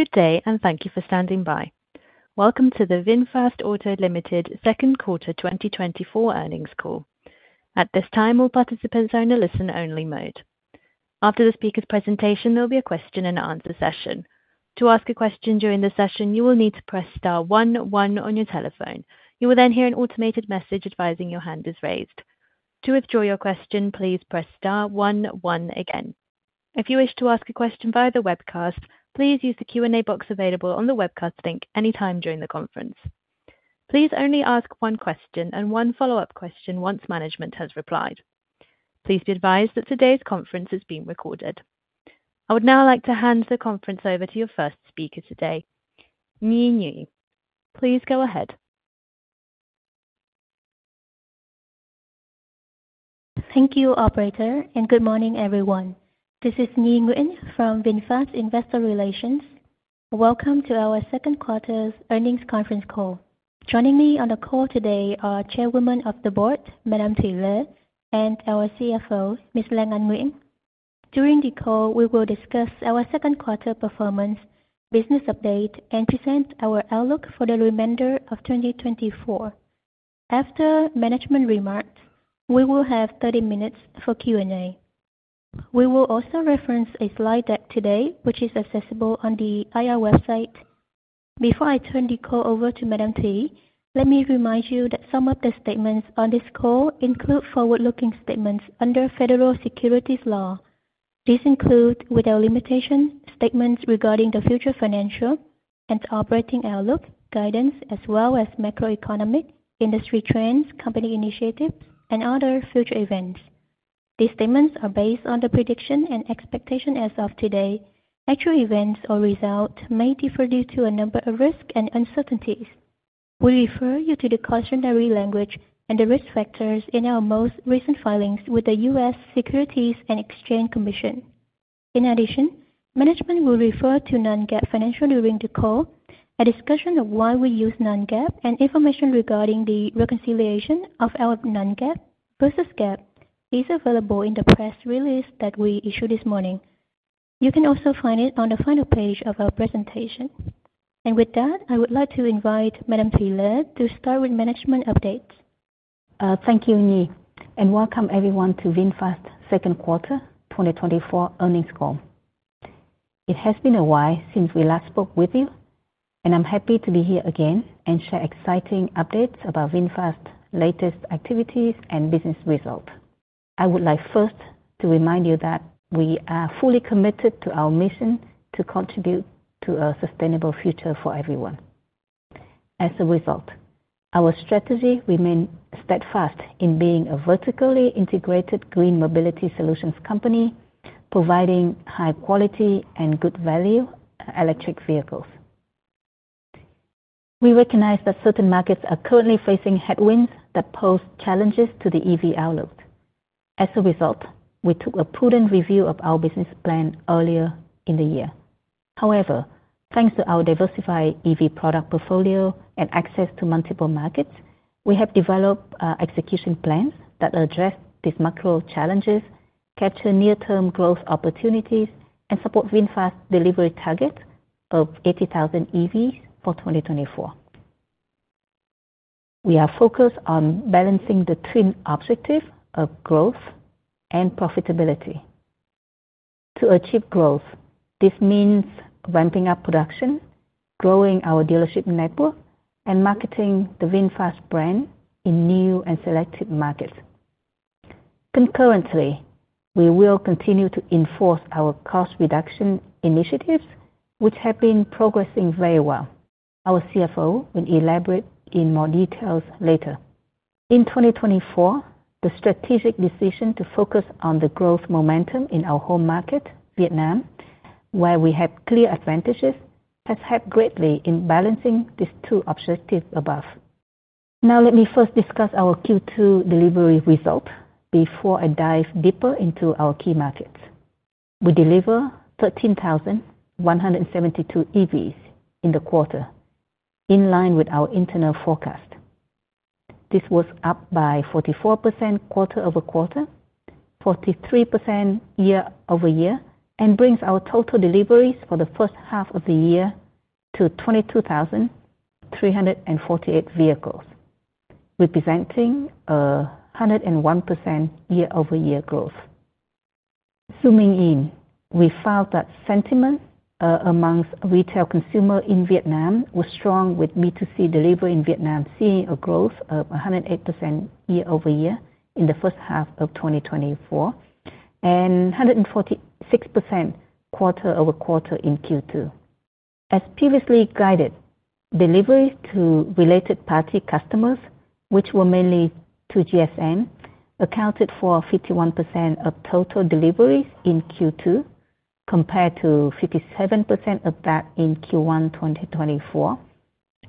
Good day, and thank you for standing by. Welcome to the VinFast Auto Limited Second Quarter 2024 Earnings Call. At this time, all participants are in a listen-only mode. After the speaker's presentation, there'll be a question-and-answer session. To ask a question during the session, you will need to press star one one on your telephone. You will then hear an automated message advising your hand is raised. To withdraw your question, please press star one one again. If you wish to ask a question via the webcast, please use the Q&A box available on the webcast link anytime during the conference. Please only ask one question and one follow-up question once management has replied. Please be advised that today's conference is being recorded. I would now like to hand the conference over to your first speaker today, Nhi Nguyen. Please go ahead. Thank you, operator, and good morning, everyone. This is Nhi Nguyen from VinFast Investor Relations. Welcome to our Second Quarter's Earnings Conference Call. Joining me on the call today are Chairwoman of the Board, Madam Thuy Le, and our CFO, Ms. Lan Anh Nguyen. During the call, we will discuss our second quarter performance, business update, and present our outlook for the remainder of 2024. After management remarks, we will have 30 minutes for Q&A. We will also reference a slide deck today, which is accessible on the IR website. Before I turn the call over to Madam Thuy, let me remind you that some of the statements on this call include forward-looking statements under federal securities law. These include, without limitation, statements regarding the future financial and operating outlook, guidance, as well as macroeconomic industry trends, company initiatives, and other future events. These statements are based on the prediction and expectation as of today. Actual events or results may differ due to a number of risks and uncertainties. We refer you to the cautionary language and the risk factors in our most recent filings with the U.S. Securities and Exchange Commission. In addition, management will refer to non-GAAP financials during the call. A discussion of why we use non-GAAP and information regarding the reconciliation of our non-GAAP versus GAAP is available in the press release that we issued this morning. You can also find it on the final page of our presentation. And with that, I would like to invite Madam Thuy Le to start with management updates. Thank you, Nhi, and welcome everyone to VinFast's Second Quarter 2024 Earnings Call. It has been a while since we last spoke with you, and I'm happy to be here again and share exciting updates about VinFast's latest activities and business results. I would like first to remind you that we are fully committed to our mission to contribute to a sustainable future for everyone. As a result, our strategy remain steadfast in being a vertically integrated green mobility solutions company, providing high quality and good value electric vehicles. We recognize that certain markets are currently facing headwinds that pose challenges to the EV outlook. As a result, we took a prudent review of our business plan earlier in the year. However, thanks to our diversified EV product portfolio and access to multiple markets, we have developed execution plans that address these macro challenges, capture near-term growth opportunities, and support VinFast delivery target of 80,000 EVs for 2024. We are focused on balancing the twin objective of growth and profitability. To achieve growth, this means ramping up production, growing our dealership network, and marketing the VinFast brand in new and selected markets. Concurrently, we will continue to enforce our cost reduction initiatives, which have been progressing very well. Our CFO will elaborate in more details later. In 2024, the strategic decision to focus on the growth momentum in our home market, Vietnam, where we have clear advantages, has helped greatly in balancing these two objectives above. Now, let me first discuss our Q2 delivery results before I dive deeper into our key markets. We delivered 13,172 EVs in the quarter, in line with our internal forecast. This was up by 44% quarter-over-quarter, 43% year-over-year, and brings our total deliveries for the first half of the year to 22,348 vehicles, representing 101% year-over-year growth. Zooming in, we found that sentiment among retail consumer in Vietnam was strong, with VF 5 delivery in Vietnam seeing a growth of 108% year-over-year in the first half of 2024, and 146% quarter-over-quarter in Q2. As previously guided, deliveries to related party customers, which were mainly to GSM, accounted for 51% of total deliveries in Q2, compared to 57% of that in Q1 2024,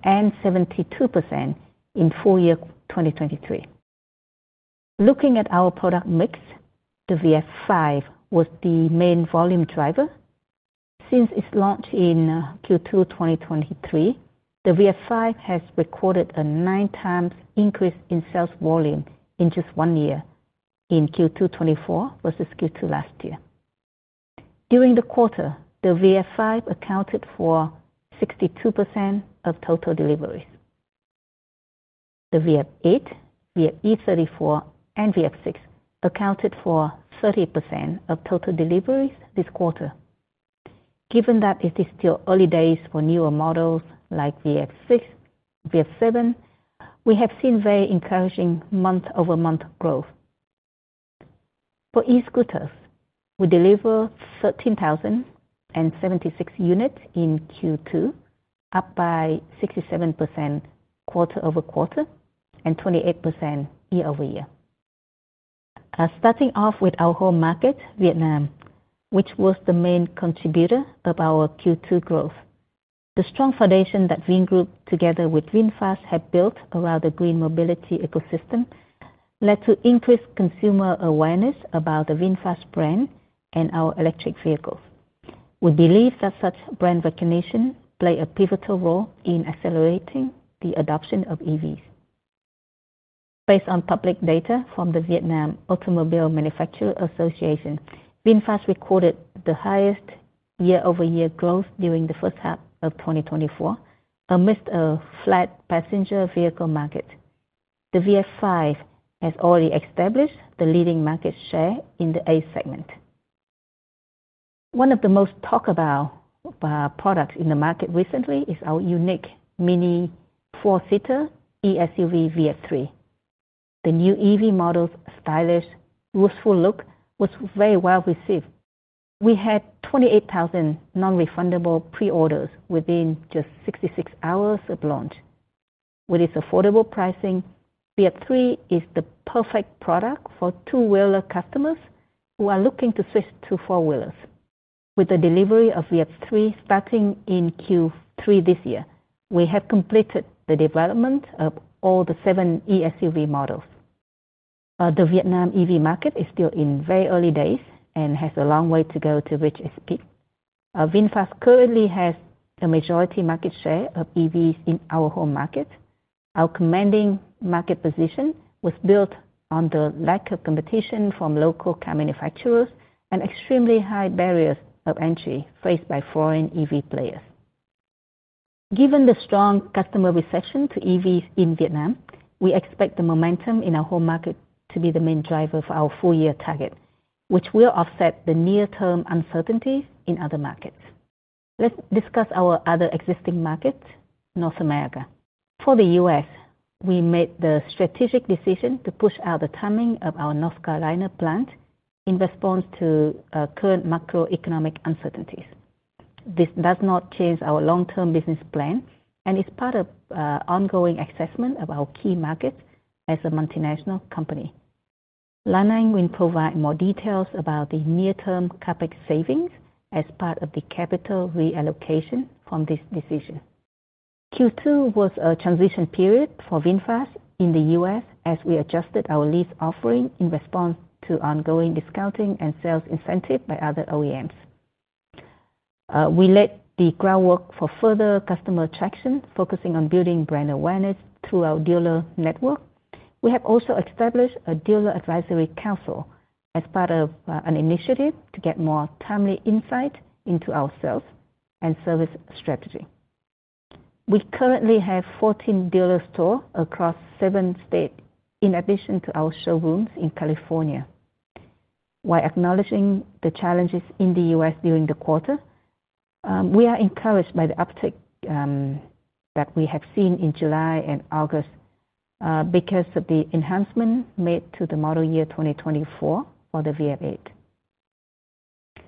and 72% in full year 2023. Looking at our product mix, the VF 5 was the main` volume driver. Since its launch in Q2 2023, the VF 5 has recorded a nine times increase in sales volume in just one year in Q2 2024 versus Q2 last year. During the quarter, the VF 5 accounted for 62% of total deliveries. The VF 8, VF e34, and VF 6 accounted for 30% of total deliveries this quarter. Given that it is still early days for newer models like VF 6, VF 7, we have seen very encouraging month-over-month growth. For e-scooters, we delivered 13,076 units in Q2, up by 67% quarter-over-quarter and 28% year-over-year. Starting off with our home market, Vietnam, which was the main contributor of our Q2 growth. The strong foundation that Vingroup, together with VinFast, have built around the green mobility ecosystem led to increased consumer awareness about the VinFast brand and our electric vehicles. We believe that such brand recognition play a pivotal role in accelerating the adoption of EVs. Based on public data from the Vietnam Automobile Manufacturers' Association, VinFast recorded the highest year-over-year growth during the first half of 2024 amidst a flat passenger vehicle market. The VF 5 has already established the leading market share in the A segment. One of the most talked about products in the market recently is our unique mini four-seater eSUV, VF 3. The new EV model's stylish, youthful look was very well received. We had 28,000 non-refundable pre-orders within just 66 hours of launch. With its affordable pricing, VF 3 is the perfect product for two-wheeler customers who are looking to switch to four-wheelers. With the delivery of VF 3 starting in Q3 this year, we have completed the development of all the seven eSUV models. The Vietnam EV market is still in very early days and has a long way to go to reach its peak. VinFast currently has a majority market share of EVs in our home market. Our commanding market position was built on the lack of competition from local car manufacturers and extremely high barriers of entry faced by foreign EV players. Given the strong customer reception to EVs in Vietnam, we expect the momentum in our home market to be the main driver for our full year target, which will offset the near-term uncertainties in other markets. Let's discuss our other existing markets, North America. For the U.S., we made the strategic decision to push out the timing of our North Carolina plant in response to current macroeconomic uncertainties. This does not change our long-term business plan and is part of ongoing assessment of our key markets as a multinational company. Lan Anh will provide more details about the near-term CapEx savings as part of the capital reallocation from this decision. Q2 was a transition period for VinFast in the U.S. as we adjusted our lease offering in response to ongoing discounting and sales incentive by other OEMs. We laid the groundwork for further customer traction, focusing on building brand awareness through our dealer network. We have also established a dealer advisory council as part of an initiative to get more timely insight into our sales and service strategy. We currently have 14 dealer stores across seven states, in addition to our showrooms in California. While acknowledging the challenges in the U.S. during the quarter, we are encouraged by the uptick that we have seen in July and August because of the enhancement made to the model year 2024 for the VF 8.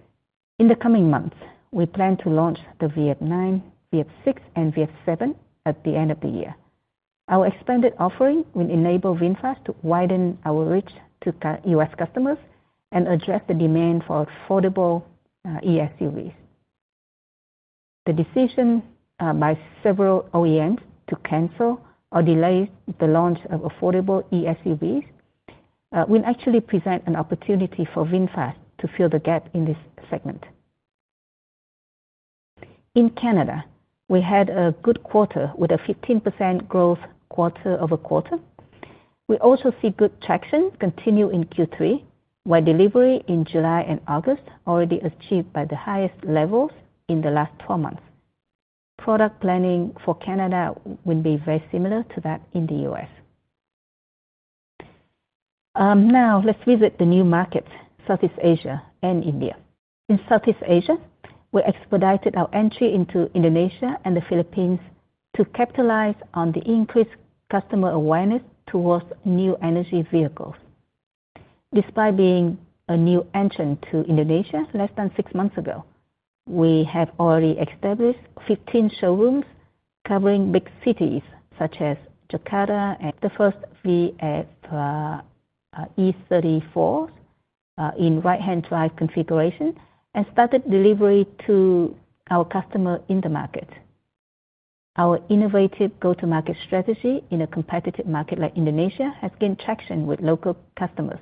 In the coming months, we plan to launch the VF 9, VF 6, and VF 7 at the end of the year. Our expanded offering will enable VinFast to widen our reach to U.S. customers and address the demand for affordable eSUVs. The decision by several OEMs to cancel or delay the launch of affordable eSUVs will actually present an opportunity for VinFast to fill the gap in this segment. In Canada, we had a good quarter with a 15% growth quarter-over-quarter. We also see good traction continue in Q3, where delivery in July and August already achieved by the highest levels in the last twelve months. Product planning for Canada will be very similar to that in the U.S. Now let's visit the new markets, Southeast Asia and India. In Southeast Asia, we expedited our entry into Indonesia and the Philippines to capitalize on the increased customer awareness towards new energy vehicles. Despite being a new entrant to Indonesia less than six months ago, we have already established 15 showrooms covering big cities such as Jakarta, and the first VF e34 in right-hand drive configuration, and started delivery to our customer in the market. Our innovative go-to-market strategy in a competitive market like Indonesia has gained traction with local customers.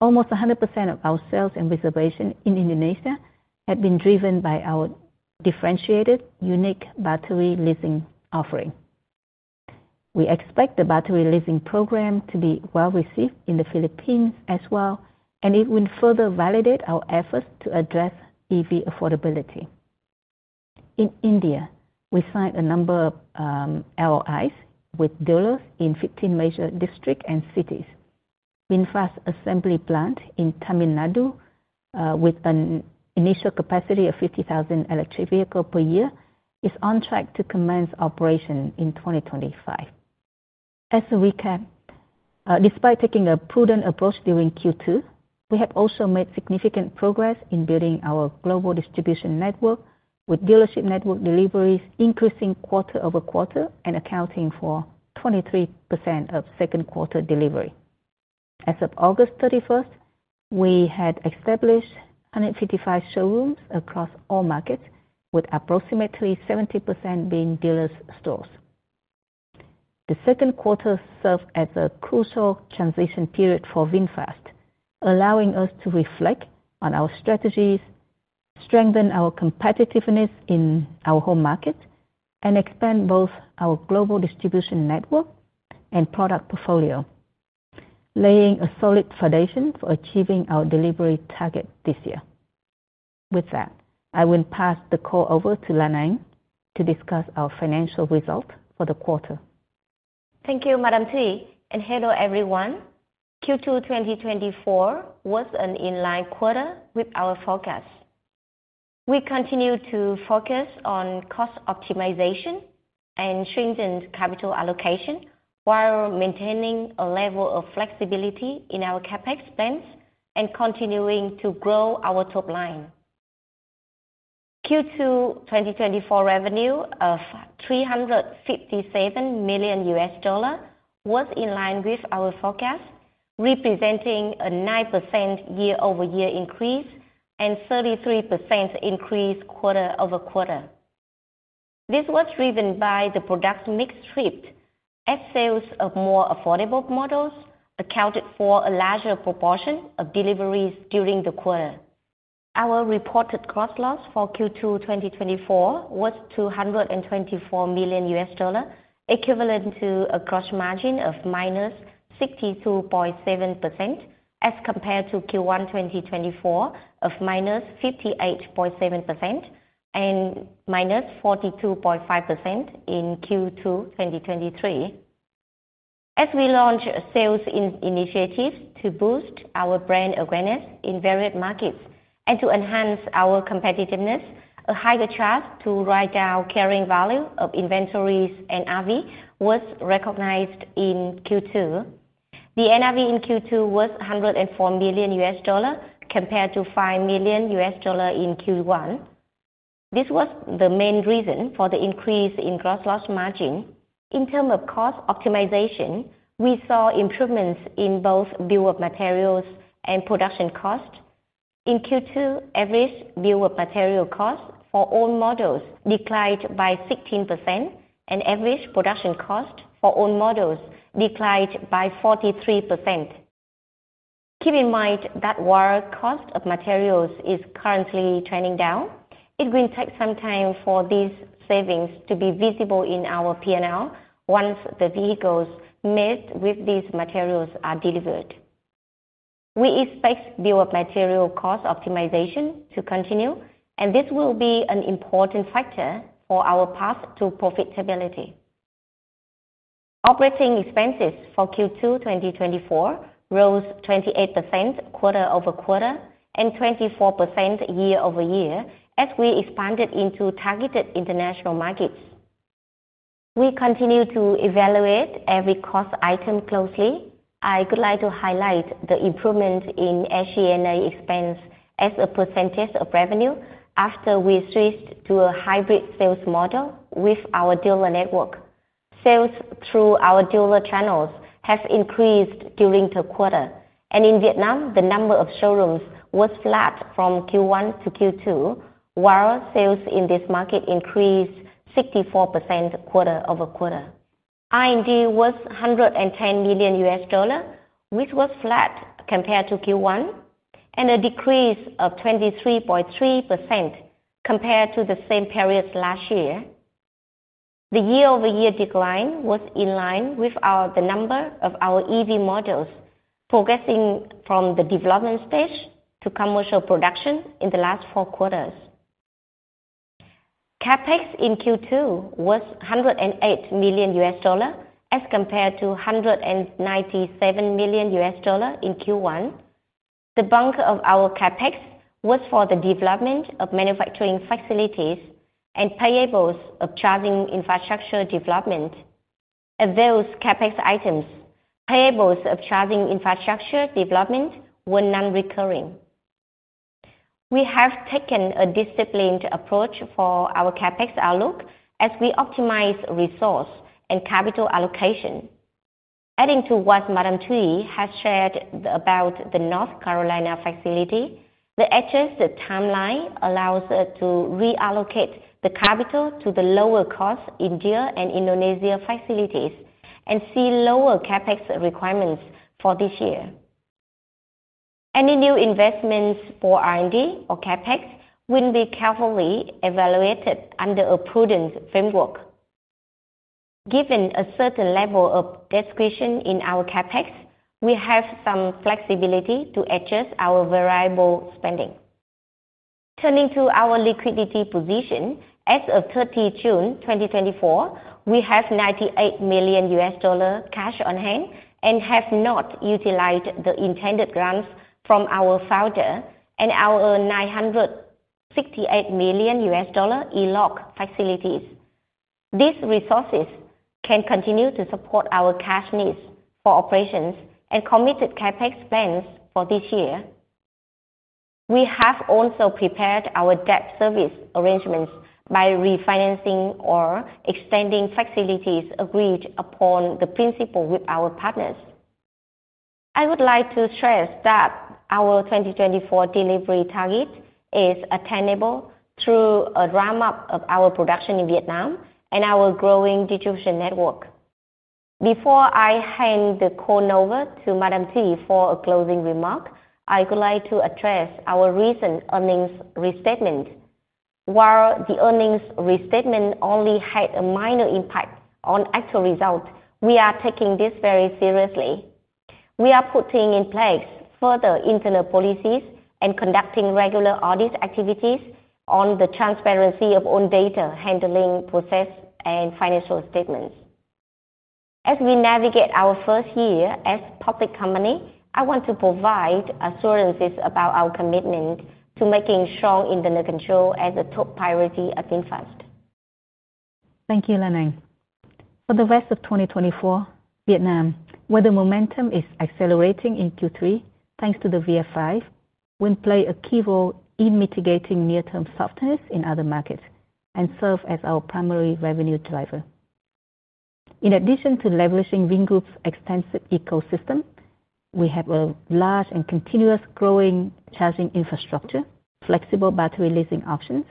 Almost 100% of our sales and reservation in Indonesia have been driven by our differentiated unique battery leasing offering. We expect the battery leasing program to be well received in the Philippines as well, and it will further validate our efforts to address EV affordability. In India, we signed a number of LOIs with dealers in 15 major districts and cities. VinFast assembly plant in Tamil Nadu with an initial capacity of 50,000 electric vehicles per year is on track to commence operation in 2025. As a recap, despite taking a prudent approach during Q2, we have also made significant progress in building our global distribution network, with dealership network deliveries increasing quarter-over-quarter and accounting for 23% of second quarter delivery. As of August 31st, we had established 155 showrooms across all markets, with approximately 70% being dealers' stores. The second quarter served as a crucial transition period for VinFast, allowing us to reflect on our strategies, strengthen our competitiveness in our home market, and expand both our global distribution network and product portfolio, laying a solid foundation for achieving our delivery target this year. With that, I will pass the call over to Lan Anh to discuss our financial results for the quarter. Thank you, Madam Thuy, and hello, everyone. Q2 2024 was an in-line quarter with our forecast. We continue to focus on cost optimization and stringent capital allocation while maintaining a level of flexibility in our CapEx spends and continuing to grow our top line. Q2 2024 revenue of $357 million was in line with our forecast, representing a 9% year-over-year increase and 33% increase quarter-over-quarter. This was driven by the product mix shift, as sales of more affordable models accounted for a larger proportion of deliveries during the quarter. Our reported gross loss for Q2 2024 was $224 million, equivalent to a gross margin of -62.7%, as compared to Q1 2024 of -58.7% and -42.5% in Q2 2023. As we launch sales initiatives to boost our brand awareness in various markets and to enhance our competitiveness, a higher charge to write down carrying value of inventories and NRV was recognized in Q2. The NRV in Q2 was $104 million, compared to $5 million in Q1. This was the main reason for the increase in gross loss margin. In terms of cost optimization, we saw improvements in both bill of materials and production costs. In Q2, average bill of material costs for all models declined by 16%, and average production cost for all models declined by 43%. Keep in mind that while cost of materials is currently trending down, it will take some time for these savings to be visible in our P&L once the vehicles made with these materials are delivered. We expect bill of materials cost optimization to continue, and this will be an important factor for our path to profitability. Operating expenses for Q2 2024 rose 28% quarter-over-quarter and 24% year-over-year as we expanded into targeted international markets. We continue to evaluate every cost item closely. I would like to highlight the improvement in SG&A expense as a percentage of revenue after we switched to a hybrid sales model with our dealer network. Sales through our dealer channels has increased during the quarter, and in Vietnam, the number of showrooms was flat from Q1 to Q2, while sales in this market increased 64% quarter-over-quarter. R&D was $110 million, which was flat compared to Q1, and a decrease of 23.3% compared to the same period last year. The year-over-year decline was in line with our, the number of our EV models progressing from the development stage to commercial production in the last four quarters. CapEx in Q2 was $108 million, as compared to $197 million in Q1. The bulk of our CapEx was for the development of manufacturing facilities and payables of charging infrastructure development. Of those CapEx items, payables of charging infrastructure development were non-recurring. We have taken a disciplined approach for our CapEx outlook as we optimize resource and capital allocation. Adding to what Madam Thuy has shared about the North Carolina facility, the adjusted timeline allows us to reallocate the capital to the lower cost India and Indonesia facilities and see lower CapEx requirements for this year. Any new investments for R&D or CapEx will be carefully evaluated under a prudent framework. Given a certain level of discretion in our CapEx, we have some flexibility to adjust our variable spending. Turning to our liquidity position, as of 30 June 2024, we have $98 million cash on hand, and have not utilized the intended grants from our founder and our $968 million ELOC facilities. These resources can continue to support our cash needs for operations and committed CapEx plans for this year. We have also prepared our debt service arrangements by refinancing or extending facilities agreed in principle with our partners. I would like to stress that our 2024 delivery target is attainable through a ramp-up of our production in Vietnam and our growing distribution network. Before I hand the call over to Madam Thuy for a closing remark, I would like to address our recent earnings restatement. While the earnings restatement only had a minor impact on actual results, we are taking this very seriously. We are putting in place further internal policies and conducting regular audit activities on the transparency of own data handling process and financial statements. As we navigate our first year as a public company, I want to provide assurances about our commitment to making strong internal control as a top priority at VinFast. Thank you, Lan Anh. For the rest of 2024, Vietnam, where the momentum is accelerating in Q3, thanks to the VF 5, will play a key role in mitigating near-term softness in other markets and serve as our primary revenue driver. In addition to leveraging Vingroup's extensive ecosystem, we have a large and continuously growing charging infrastructure, flexible battery leasing options,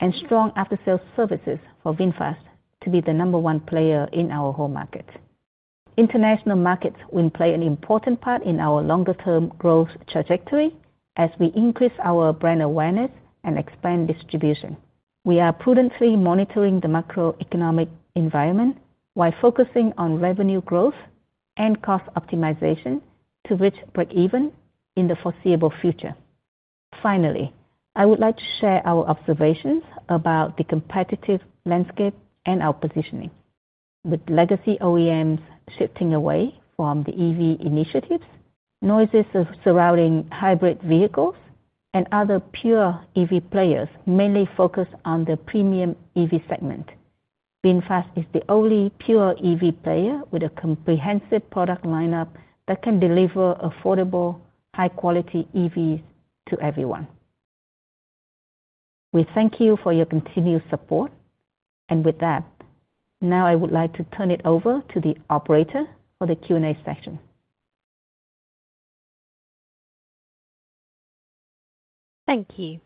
and strong after-sales services for VinFast to be the number one player in our home market. International markets will play an important part in our longer-term growth trajectory as we increase our brand awareness and expand distribution. We are prudently monitoring the macroeconomic environment, while focusing on revenue growth and cost optimization to reach breakeven in the foreseeable future. Finally, I would like to share our observations about the competitive landscape and our positioning. With legacy OEMs shifting away from the EV initiatives, noises of surrounding hybrid vehicles, and other pure EV players mainly focused on the premium EV segment, VinFast is the only pure EV player with a comprehensive product lineup that can deliver affordable, high-quality EVs to everyone. We thank you for your continued support, and with that, now I would like to turn it over to the operator for the Q&A session. Thank you.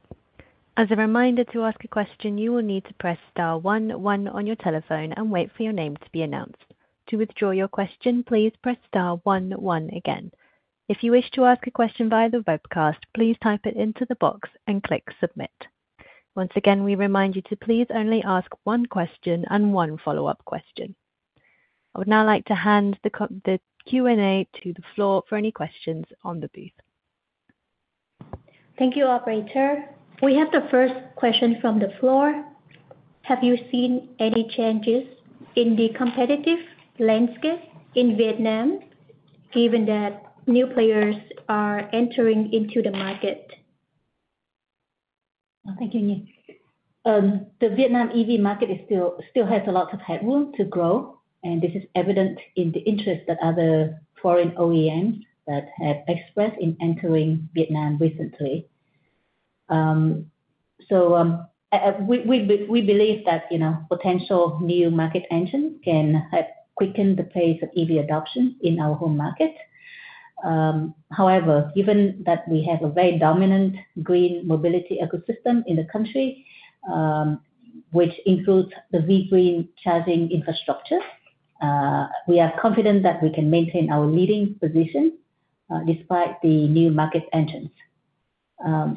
As a reminder, to ask a question, you will need to press star one one on your telephone and wait for your name to be announced. To withdraw your question, please press star one one again. If you wish to ask a question via the webcast, please type it into the box and click Submit. Once again, we remind you to please only ask one question and one follow-up question. I would now like to hand the Q&A to the floor for any questions on the booth. Thank you, operator. We have the first question from the floor. Have you seen any changes in the competitive landscape in Vietnam, given that new players are entering into the market? Thank you, Nhi. The Vietnam EV market still has a lot of headroom to grow, and this is evident in the interest that other foreign OEMs that have expressed in entering Vietnam recently. We believe that, you know, potential new market entrants can help quicken the pace of EV adoption in our home market. However, given that we have a very dominant green mobility ecosystem in the country, which includes the V-Green charging infrastructure, we are confident that we can maintain our leading position, despite the new market entrants.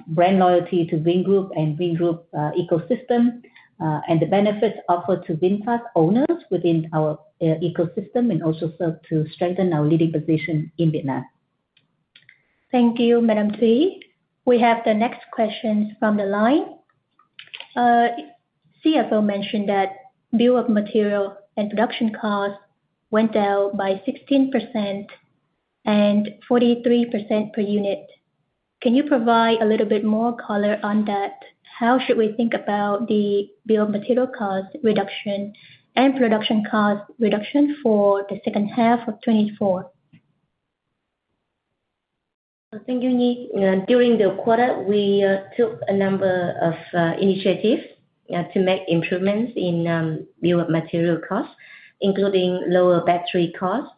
Brand loyalty to Vingroup and Vingroup ecosystem, and the benefits offered to VinFast owners within our ecosystem, and also serve to strengthen our leading position in Vietnam. Thank you, Madam Thuy. We have the next question from the line. CFO mentioned that bill of materials and production costs went down by 16% and 43% per unit. Can you provide a little bit more color on that? How should we think about the bill of materials cost reduction and production cost reduction for the second half of 2024? Thank you, Nhi. During the quarter, we took a number of initiatives to make improvements in bill of material costs, including lower battery costs,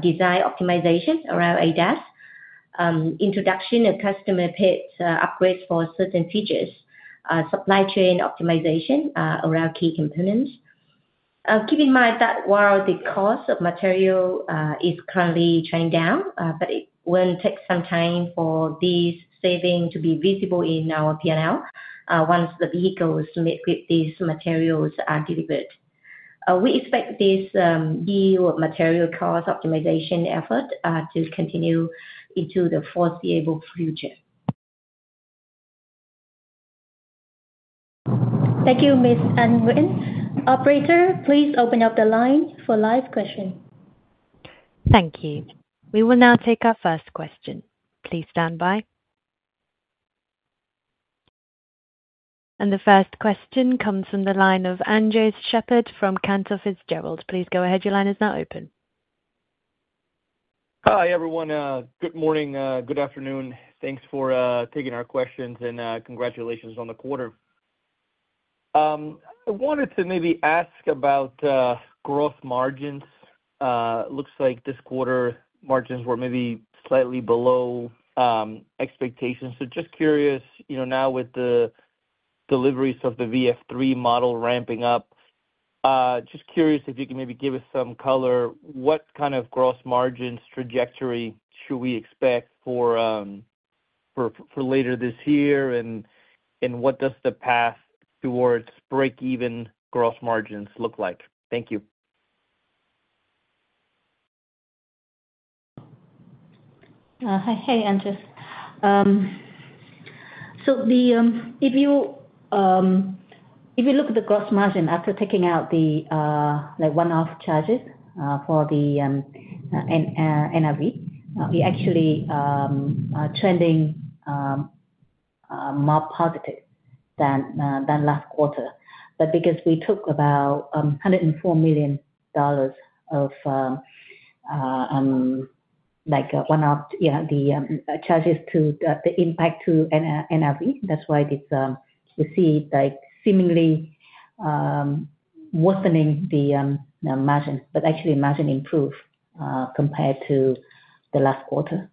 design optimization around ADAS, introduction of customer-paid upgrades for certain features, supply chain optimization around key components.... Keep in mind that while the cost of material is currently trending down, but it will take some time for these savings to be visible in our PNL, once the vehicles made with these materials are delivered. We expect this bill of material cost optimization effort to continue into the foreseeable future. Thank you, Ms. Anh Nguyen. Operator, please open up the line for live question. Thank you. We will now take our first question. Please stand by. And the first question comes from the line of Andres Sheppard from Cantor Fitzgerald. Please go ahead. Your line is now open. Hi, everyone. Good morning, good afternoon. Thanks for taking our questions, and congratulations on the quarter. I wanted to maybe ask about gross margins. It looks like this quarter, margins were maybe slightly below expectations. So just curious, you know, now with the deliveries of the VF 3 model ramping up, just curious if you can maybe give us some color, what kind of gross margins trajectory should we expect for later this year? And what does the path towards break-even gross margins look like? Thank you. Hi, hey, Andres. So, if you look at the gross margin after taking out the, like, one-off charges for the NRV, we actually are trending more positive than last quarter. But because we took about $104 million of, like, a one-off, the charges to the impact to NRV, that's why it's, you see, like, seemingly worsening the margin, but actually margin improved compared to the last quarter.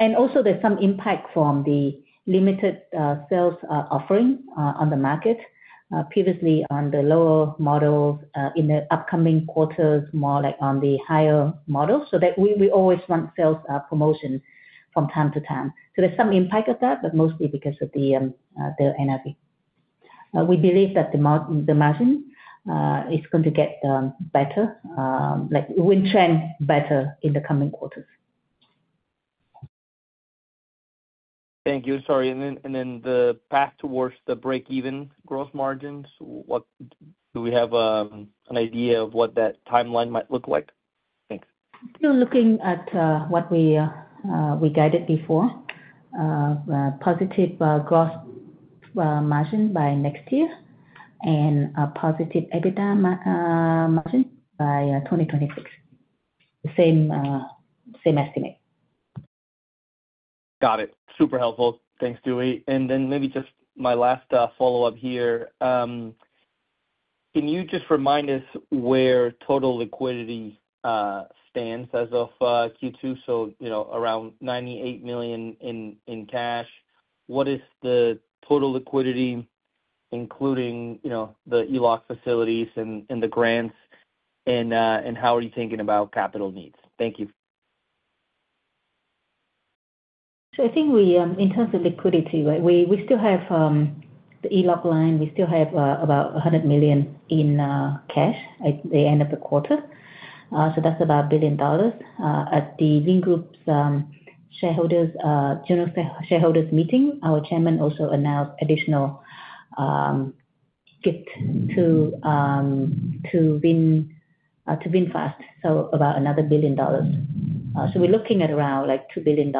And also there's some impact from the limited sales offering on the market. Previously on the lower models, in the upcoming quarters, more like on the higher models, so that we always run sales promotion from time to time. So there's some impact of that, but mostly because of the NRV. We believe that the margin is going to get better, like, it will trend better in the coming quarters. Thank you. Sorry, and then the path towards the break-even gross margins, what, do we have, an idea of what that timeline might look like? Thanks. Still looking at what we guided before. Positive gross margin by next year and a positive EBITDA margin by 2026. The same estimate. Got it. Super helpful. Thanks, Thuy Le. And then maybe just my last follow-up here. Can you just remind us where total liquidity stands as of Q2? So, you know, around $98 million in cash. What is the total liquidity, including, you know, the ELOC facilities and the grants? And how are you thinking about capital needs? Thank you. So I think we in terms of liquidity, right, we still have the ELOC line. We still have about $100 million in cash at the end of the quarter. So that's about $1 billion. At Vingroup's shareholders general shareholders meeting, our Chairman also announced additional gift to VinFast, so about another $1 billion. So we're looking at around, like, $2 billion,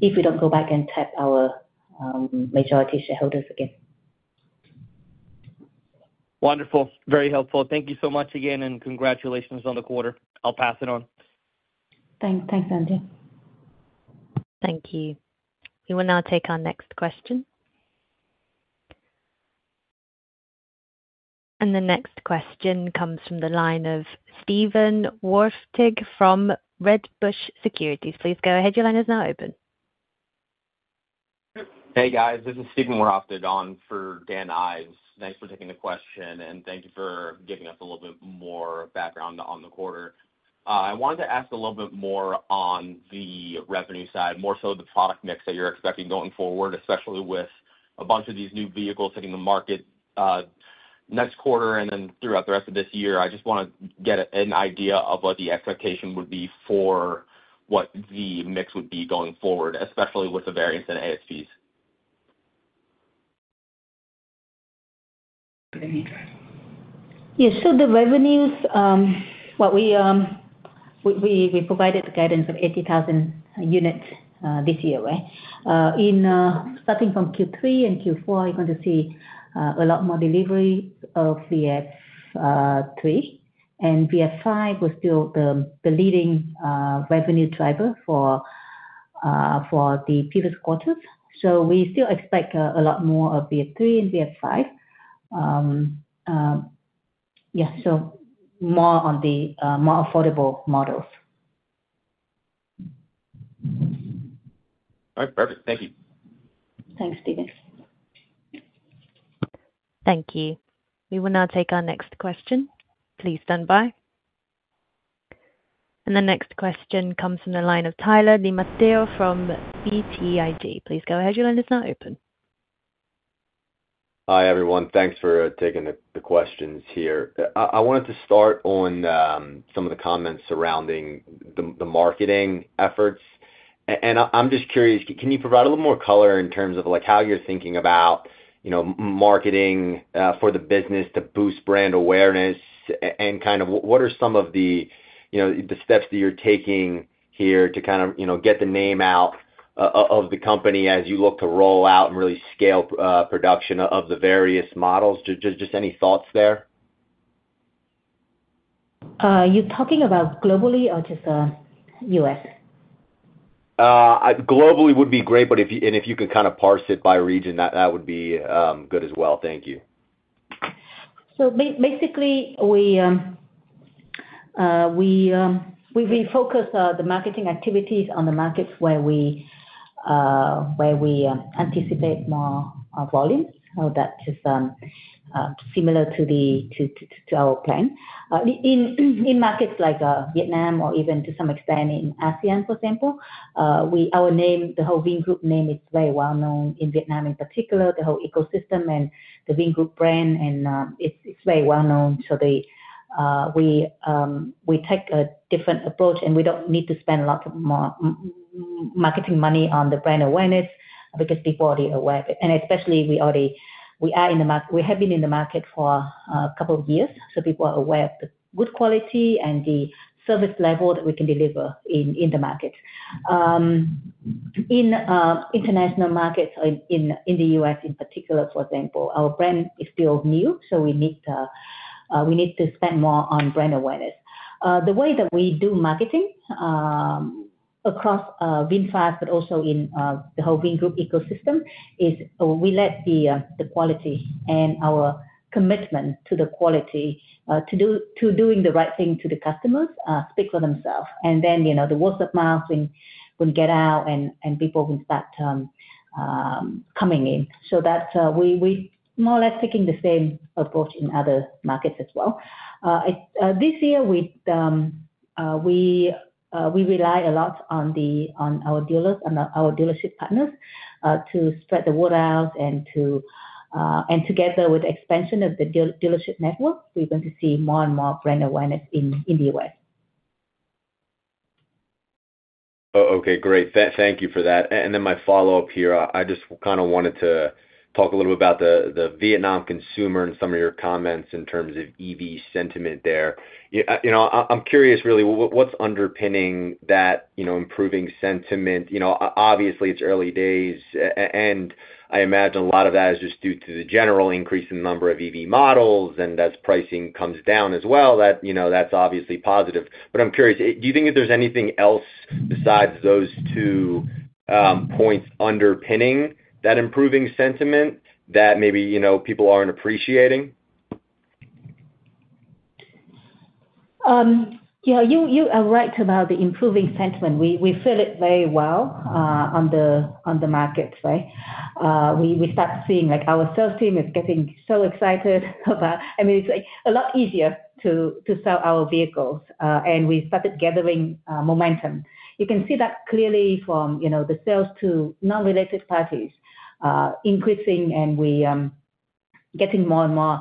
if we don't go back and tap our majority shareholders again. Wonderful. Very helpful. Thank you so much again, and congratulations on the quarter. I'll pass it on. Thanks. Thanks, Andres. Thank you. We will now take our next question, and the next question comes from the line of Steven Wahrhaftig from Wedbush Securities. Please go ahead. Your line is now open. Hey, guys. This is Steven Wahrhaftig on for Dan Ives. Thanks for taking the question, and thank you for giving us a little bit more background on the quarter. I wanted to ask a little bit more on the revenue side, more so the product mix that you're expecting going forward, especially with a bunch of these new vehicles hitting the market, next quarter and then throughout the rest of this year. I just wanna get an idea of what the expectation would be for what the mix would be going forward, especially with the variants and ASPs. Yes, so the revenues, what we provided guidance of 80,000 units this year, right? In starting from Q3 and Q4, you're going to see a lot more delivery of VF 3, and VF 5 was still the leading revenue driver for the previous quarters. So we still expect a lot more of VF 3 and VF 5. Yeah, so more on the more affordable models.... All right, perfect. Thank you. Thanks, Steven. Thank you. We will now take our next question. Please stand by. And the next question comes from the line of Tyler DiMatteo from BTIG. Please go ahead, your line is now open. Hi, everyone. Thanks for taking the questions here. I wanted to start on some of the comments surrounding the marketing efforts, and I'm just curious, can you provide a little more color in terms of, like, how you're thinking about, you know, marketing for the business to boost brand awareness, and kind of what are some of the, you know, the steps that you're taking here to kind of, you know, get the name out of the company as you look to roll out and really scale production of the various models? Just any thoughts there? You're talking about globally or just U.S.? Globally would be great, but if you could kind of parse it by region, that would be good as well. Thank you. So basically, we focus the marketing activities on the markets where we anticipate more volume. So that is similar to our plan. In markets like Vietnam or even to some extent in ASEAN, for example, our name, the whole Vingroup name is very well-known in Vietnam, in particular, the whole ecosystem and the Vingroup brand, and it's very well-known. So we take a different approach, and we don't need to spend a lot more marketing money on the brand awareness because people are already aware of it. Especially we have been in the market for a couple of years, so people are aware of the good quality and the service level that we can deliver in the market. In international markets or in the U.S. in particular, for example, our brand is still new, so we need to spend more on brand awareness. The way that we do marketing across VinFast, but also in the whole Vingroup ecosystem, is we let the quality and our commitment to the quality to doing the right thing to the customers speak for themselves. Then, you know, the word of mouth will get out and people will start coming in. So that we more or less taking the same approach in other markets as well. This year we relied a lot on our dealers, on our dealership partners to spread the word out and together with expansion of the dealership network, we're going to see more and more brand awareness in the U.S. Okay, great. Thank you for that. And then my follow-up here, I just kind of wanted to talk a little bit about the, the Vietnam consumer and some of your comments in terms of EV sentiment there. You know, I'm curious, really, what's underpinning that, you know, improving sentiment? You know, obviously, it's early days, and I imagine a lot of that is just due to the general increase in the number of EV models, and as pricing comes down as well, that, you know, that's obviously positive. But I'm curious, do you think if there's anything else besides those two points underpinning that improving sentiment that maybe, you know, people aren't appreciating? Yeah, you are right about the improving sentiment. We feel it very well on the markets, right? We start seeing, like, our sales team is getting so excited about... I mean, it's like a lot easier to sell our vehicles, and we started gathering momentum. You can see that clearly from, you know, the sales to non-related parties increasing, and we getting more and more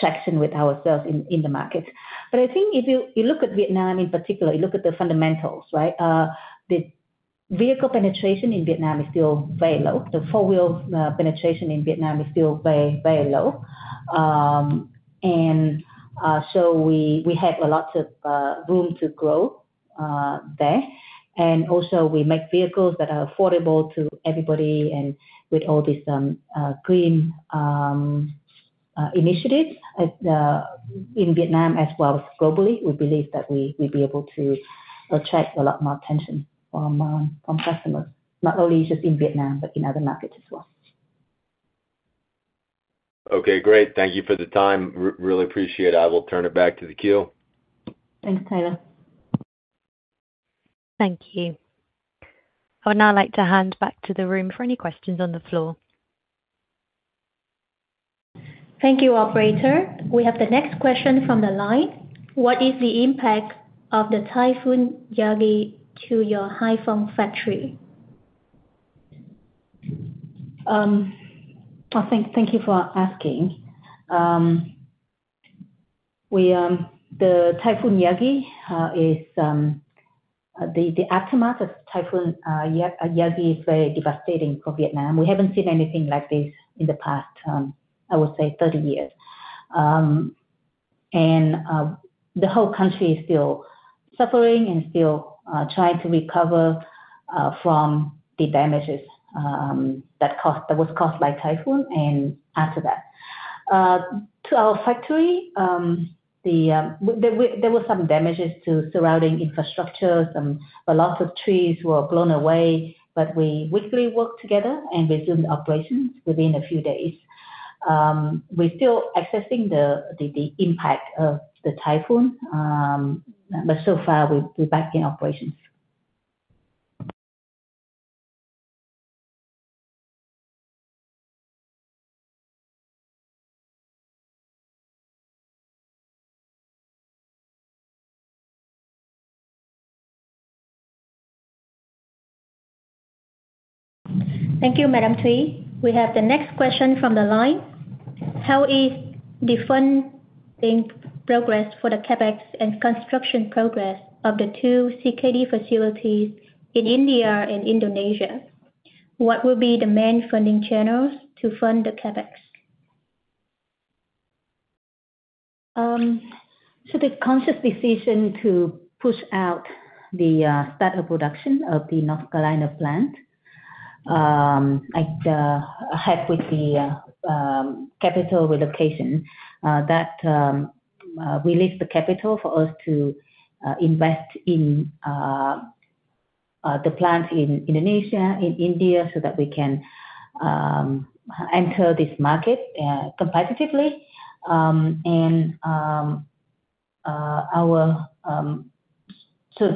traction with ourselves in the market, but I think if you look at Vietnam in particular, you look at the fundamentals, right? The vehicle penetration in Vietnam is still very low. The four-wheel penetration in Vietnam is still very, very low, and so we have a lot of room to grow there. And also, we make vehicles that are affordable to everybody, and with all this, green initiatives, in Vietnam as well as globally, we believe that we, we'll be able to attract a lot more attention from customers, not only just in Vietnam, but in other markets as well. Okay, great. Thank you for the time. Really appreciate it. I will turn it back to the queue. Thanks, Tyler. Thank you. I would now like to hand back to the room for any questions on the floor. Thank you, operator. We have the next question from the line. What is the impact of the Typhoon Yagi to your Hai Phong factory? Oh, thank you for asking. The aftermath of Typhoon Yagi is very devastating for Vietnam. We haven't seen anything like this in the past, I would say, 30 years, and the whole country is still suffering and still trying to recover from the damages that was caused by typhoon and after that. To our factory, there were some damages to surrounding infrastructure, some, a lot of trees were blown away, but we quickly worked together and resumed operations within a few days. We're still assessing the impact of the typhoon, but so far, we're back in operations. Thank you, Madam Thuy. We have the next question from the line. How is the funding progress for the CapEx and construction progress of the two CKD facilities in India and Indonesia? What will be the main funding channels to fund the CapEx? So the conscious decision to push out the start of production of the North Carolina plant, like, helped with the capital relocation, that released the capital for us to invest in the plant in Indonesia, in India, so that we can enter this market competitively. So,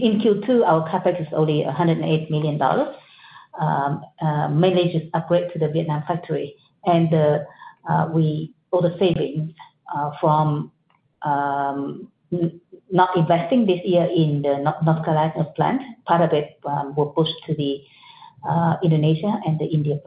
in Q2, our CapEx is only $108 million. Mainly just upgrade to the Vietnam factory. And all the savings from not investing this year in the North Carolina plant, part of it were pushed to the Indonesia and the India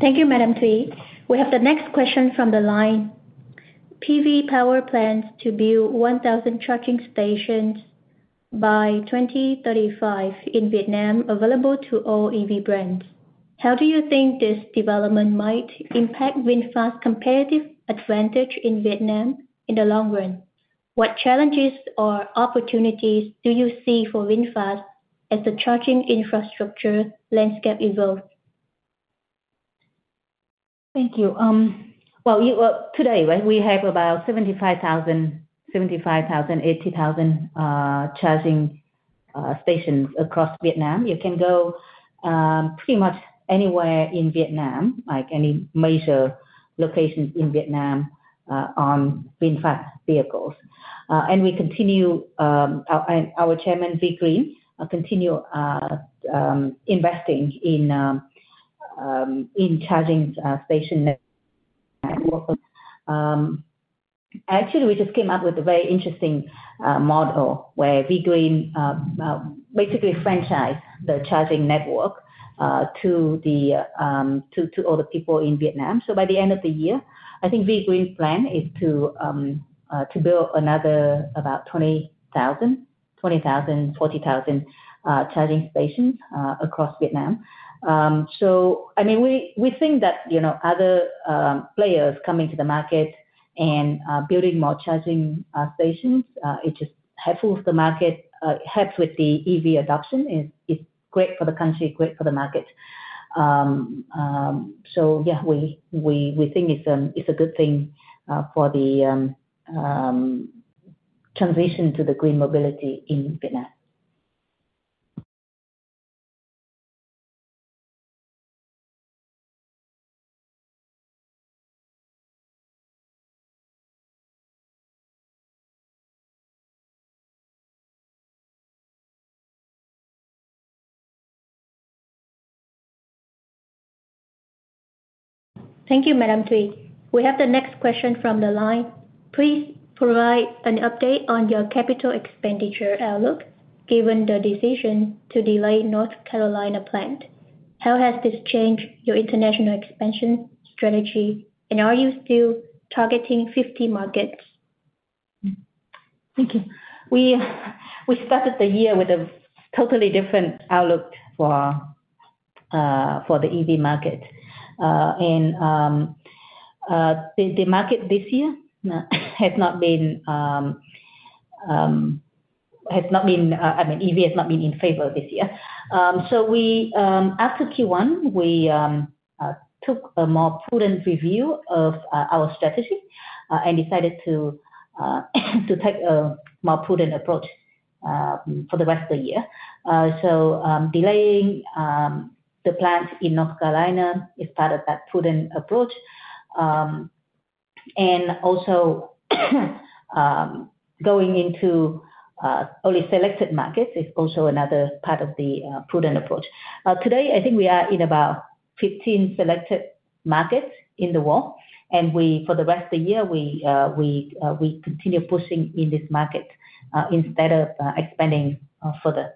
plant. Thank you, Madam Thuy. We have the next question from the line. PV Power plans to build 1,000 charging stations by 2035 in Vietnam, available to all EV brands. How do you think this development might impact VinFast's competitive advantage in Vietnam in the long run? What challenges or opportunities do you see for VinFast as the charging infrastructure landscape evolves? Thank you. Well, today, right, we have about 75,000, 80,000 charging stations across Vietnam. You can go pretty much anywhere in Vietnam, like any major locations in Vietnam, on VinFast vehicles. And we continue, and our Chairman, V-Green, continue investing in charging station network. Actually, we just came up with a very interesting model where V-Green basically franchise the charging network to all the people in Vietnam. So by the end of the year, I think V-Green's plan is to build another about 20,000, 40,000 charging stations across Vietnam. So I mean, we think that, you know, other players coming to the market and building more charging stations, it just helpful with the market, helps with the EV adoption. It's great for the country, great for the market. So yeah, we think it's a good thing for the transition to the green mobility in Vietnam. Thank you, Madam Thuy. We have the next question from the line. Please provide an update on your capital expenditure outlook, given the decision to delay North Carolina plant. How has this changed your international expansion strategy, and are you still targeting 50 markets? Thank you. We started the year with a totally different outlook for the EV market. The market this year has not been, I mean, EV has not been in favor this year. So after Q1, we took a more prudent review of our strategy and decided to take a more prudent approach for the rest of the year. Delaying the plant in North Carolina is part of that prudent approach. And also, going into only selected markets is also another part of the prudent approach. Today, I think we are in about 15 selected markets in the world, and for the rest of the year, we continue pushing in this market, instead of expanding further.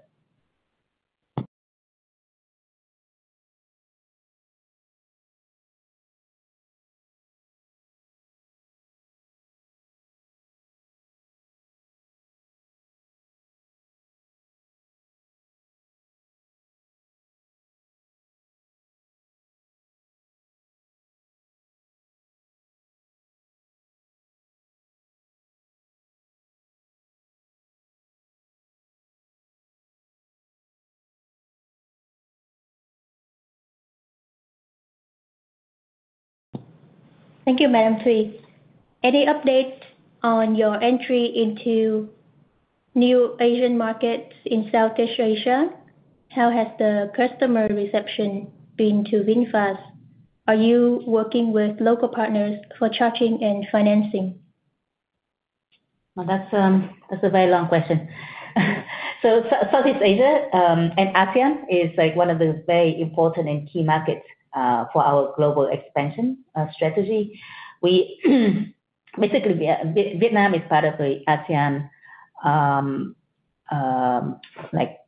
Thank you, Madam Thuy. Any update on your entry into new Asian markets in Southeast Asia? How has the customer reception been to VinFast? Are you working with local partners for charging and financing? Well, that's a very long question. So, Southeast Asia and ASEAN is like one of the very important and key markets for our global expansion strategy. Basically, Vietnam is part of the ASEAN like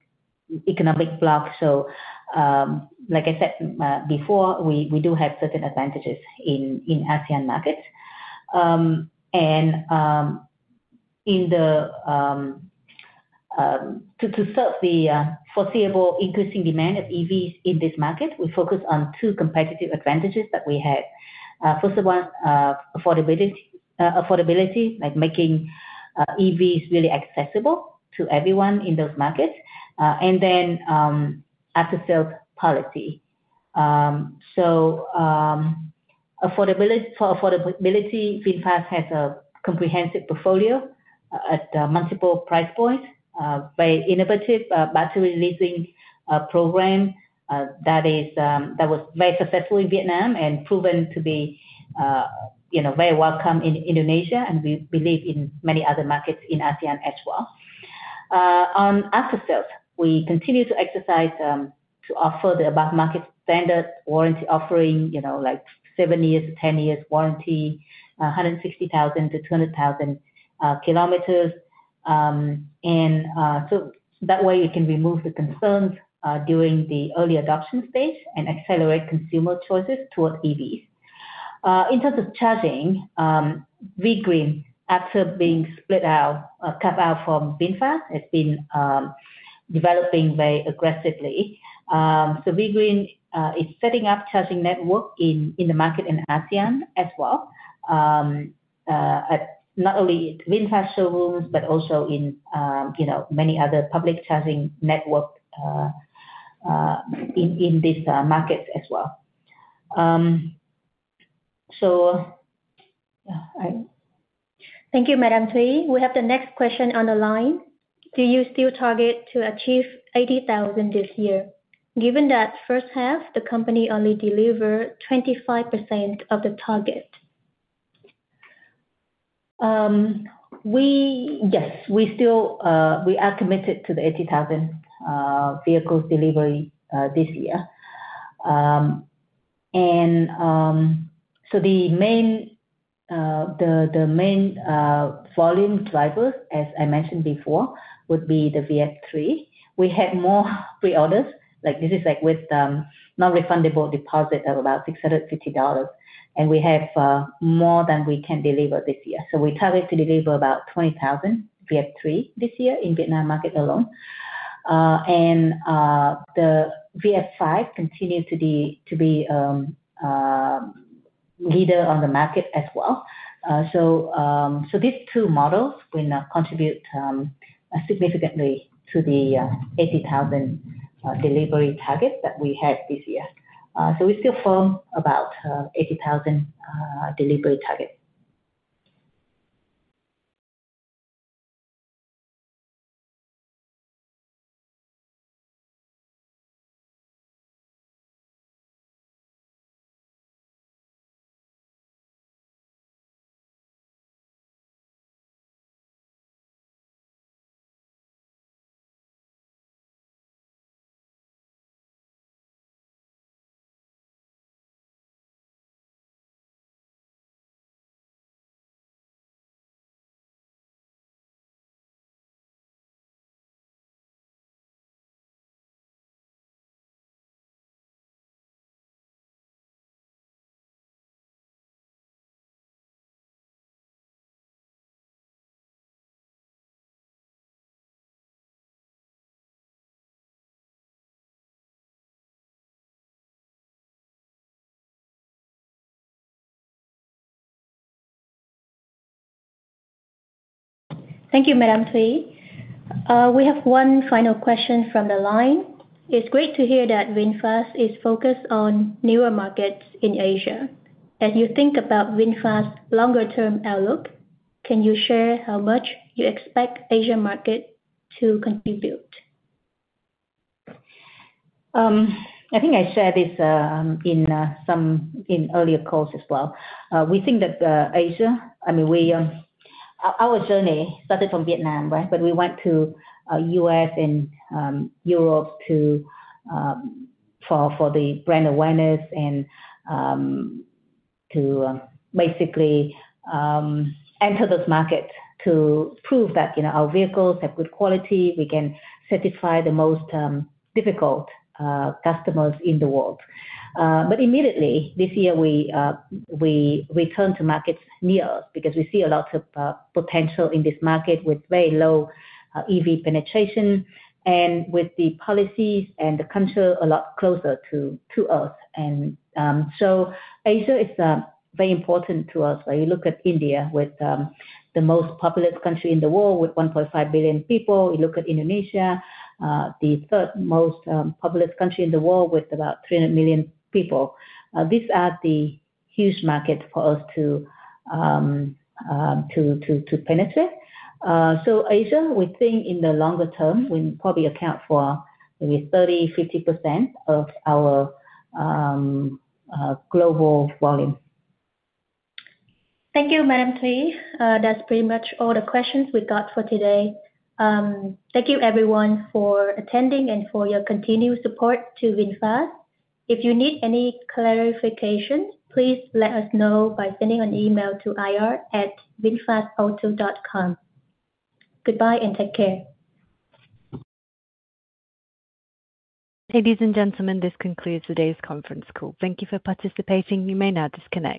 economic bloc. So, like I said before, we do have certain advantages in ASEAN markets. And in order to serve the foreseeable increasing demand of EVs in this market, we focus on two competitive advantages that we have. First one, affordability like making EVs really accessible to everyone in those markets and then after-sale policy. So, affordability... For affordability, VinFast has a comprehensive portfolio at multiple price points, very innovative battery leasing program that was very successful in Vietnam and proven to be, you know, very welcome in Indonesia, and we believe in many other markets in ASEAN as well. On aftersales, we continue to offer the above-market standard warranty offering, you know, like seven to 10-year warranty, 160,000-200,000 km. So that way, we can remove the concerns during the early adoption phase and accelerate consumer choices towards EVs. In terms of charging, V-Green, after being carved out from VinFast, has been developing very aggressively. So V-Green is setting up charging network in the market in ASEAN as well. At not only VinFast showrooms, but also in, you know, many other public charging network in these markets as well. So, yeah, I- Thank you, Madam Thuy. We have the next question on the line. Do you still target to achieve 80,000 this year, given that first half, the company only delivered 25% of the target? Yes, we still are committed to the 80,000 vehicles delivery this year. And so the main volume drivers, as I mentioned before, would be the VF 3. We have more pre-orders, like, this is, like, with non-refundable deposit of about $650, and we have more than we can deliver this year. So we target to deliver about 20,000 VF 3 this year in Vietnam market alone. And the VF 5 continues to be leader on the market as well. So so these two models will contribute significantly to the 80,000 delivery target that we had this year. So we're still firm about 80,000 delivery target. Thank you, Madam Thuy. We have one final question from the line. It's great to hear that VinFast is focused on newer markets in Asia. As you think about VinFast's longer-term outlook, can you share how much you expect Asia market to contribute? I think I said this in some earlier calls as well. We think that Asia, I mean, we... Our journey started from Vietnam, right? But we went to U.S. and Europe for the brand awareness and to basically enter those markets to prove that, you know, our vehicles have good quality, we can satisfy the most difficult customers in the world. But immediately, this year we return to markets near us because we see a lot of potential in this market with very low EV penetration and with the policies and the country a lot closer to us. And so Asia is very important to us. When you look at India, with the most populous country in the world, with 1.5 billion people. You look at Indonesia, the third most populous country in the world, with about 300 million people. These are the huge markets for us to penetrate. So Asia, we think in the longer term, will probably account for maybe 30%-50% of our global volume. Thank you, Madam Thuy. That's pretty much all the questions we got for today. Thank you, everyone, for attending and for your continued support to VinFast. If you need any clarification, please let us know by sending an email to ir@vinfastauto.com. Goodbye, and take care. Ladies and gentlemen, this concludes today's conference call. Thank you for participating. You may now disconnect.